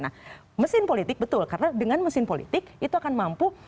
nah mesin politik betul karena dengan mesin politik itu akan mampu